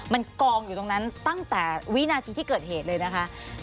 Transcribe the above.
มันกองอยู่ตรงนั้นตั้งแต่วินาทีที่เกิดเหตุเลยนะคะ